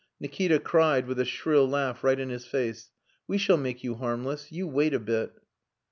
Nikita cried, with a shrill laugh right in his face, "We shall make you harmless. You wait a bit."